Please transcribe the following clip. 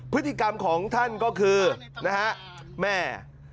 พฤติกรรมของท่านก็คือนะฮะแม่